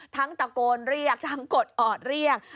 ตะโกนเรียกทั้งกดออดเรียก